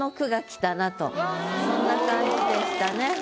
そんな感じでしたね